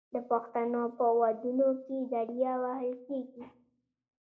د پښتنو په ودونو کې دریا وهل کیږي.